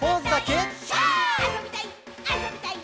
あそびたい！